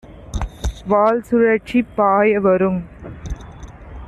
வால்சுழற்றிப் பாயவருங்